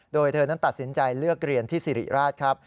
โดยเธอนั้นตัดสินใจเลือกเรียนที่สิริราชครับ